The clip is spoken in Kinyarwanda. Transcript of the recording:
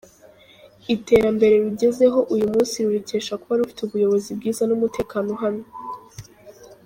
Iterambere rugezeho uyu munsi rurikesha kuba rufite Ubuyobozi bwiza n’umutekano uhamye.